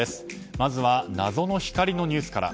まずは謎の光のニュースから。